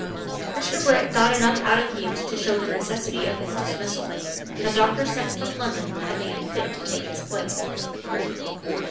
Mr. Brett got enough out of Mewks to show the necessity of his dismissal, and the doctor sent from London a man fit to take his place.